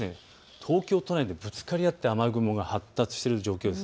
東京都内、ぶつかり合って雨雲が発達している状況です。